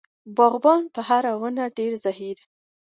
باغبان و په هرې ونې ډېر زهیر.